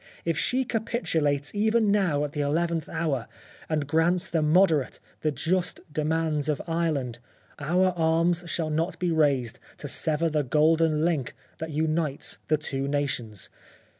If she capitulates even now at the eleventh hour, and grants the moderate, the just demands of Ireland, our arms shall not be raised to sever the golden link that unites the two nations.